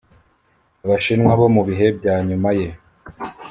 abashinwa bo mu bihe bya nyuma ye.